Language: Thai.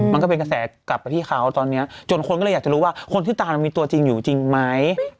มันก็เป็นกระแสกลับไปที่เขาตอนนี้จนคนก็เลยอยากจะรู้ว่าคนที่ตามมีตัวจริงอยู่จริงไหม